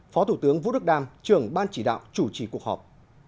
phó thủ tướng vũ đức đam trưởng ban chỉ đạo chủ trì cuộc họp